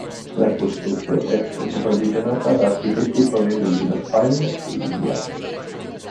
La costruzione fu supervisionata da architetti provenienti da Spagna e India.